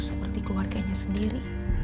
seperti keluarganya sendiri